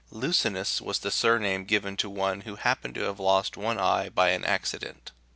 " Luscinus" was the surname given to one who happened to have lost one eye by an accident.